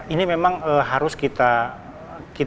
ini memang harus kita